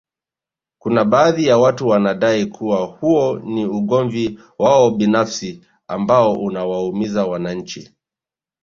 Kuna baadhi ya watu wanadai kuwa huo ni ugomvi wao binafsi ambao unawaumiza wananchi